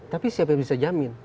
tapi siapa yang bisa jamin